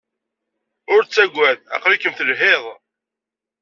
Ur ttaggad, aql-ikem telhid.